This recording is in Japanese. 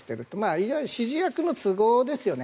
非常に指示役の都合ですよね。